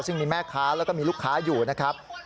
ซึ่งมีแม่ค้าแล้วก็มีลูกค้าอยู่นะครับ